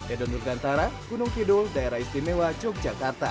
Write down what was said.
edon lugantara gunung kidul daerah istimewa yogyakarta